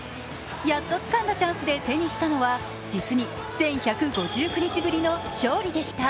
やっとつかんだチャンスで手にしたのは実に１１５９日ぶりの勝利でした。